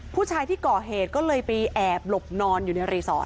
ผู้ชายที่ก่อเหตุก็เลยไปแอบหลบนอนอยู่ในรีสอร์ท